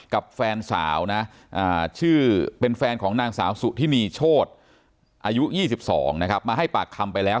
กับแฟนสาวเป็นแฟนของสุธินีโชฏอายุ๒๒มาให้ปากคำไปแล้ว